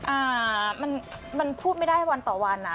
อ่ามันมันพูดไม่ได้วันต่อวันอ่ะ